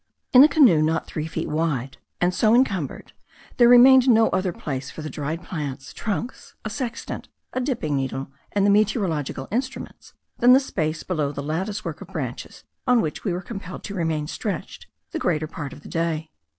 In a canoe not three feet wide, and so incumbered, there remained no other place for the dried plants, trunks, a sextant, a dipping needle, and the meteorological instruments, than the space below the lattice work of branches, on which we were compelled to remain stretched the greater part of the day.